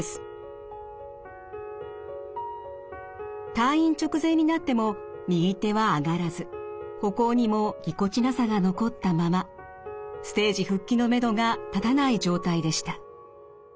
退院直前になっても右手は上がらず歩行にもぎこちなさが残ったままステージ復帰のめどが立たない状態でした。